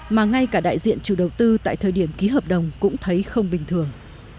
mà ngay cả đại diện chủ đầu tư tại thời điểm ký hợp đồng cũng thấy không bình thường